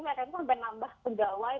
mereka itu nambah pegawai